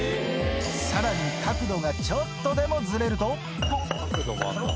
さらに角度がちょっとでもずれると。